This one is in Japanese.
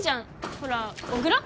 ほら小椋？